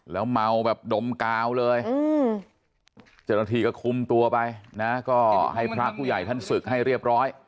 แล้วเมาแบบดมกาวเลยเจ้าหน้าที่ก็คุมตัวไปนะก็ให้พระผู้ใหญ่ท่านศึกให้เรียบร้อย